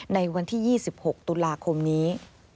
ในวันที่๒๖ตุลาคมนี้